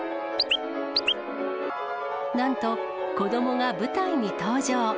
なんと子どもが舞台に登場。